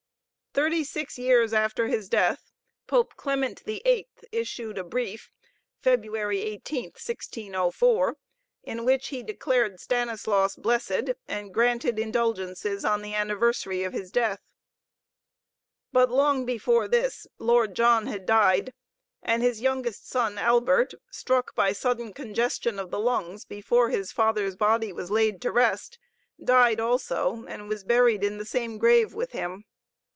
Thirty six years after his death, Pope Clement VIII issued a brief (February 18, 1604) in which he declared Stanislaus "Blessed" and granted indulgences on the anniversary of his death. But long before this the Lord John had died, and his youngest son, Albert, struck by sudden congestion of the lungs before his father's body was laid to rest, died also, and was buried in the same grave with him.